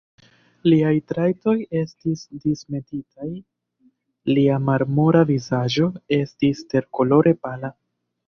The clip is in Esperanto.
Liaj trajtoj estis dismetitaj; lia marmora vizaĝo estis terkolore pala.